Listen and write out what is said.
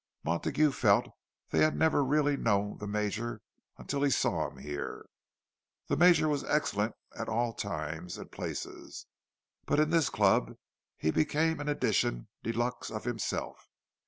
Montague felt that he had never really known the Major until he saw him here. The Major was excellent at all times and places, but in this club he became an edition de luxe of himself.